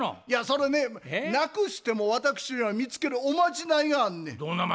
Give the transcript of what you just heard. いやそれねなくしても私には見つけるおまじないがあんねん。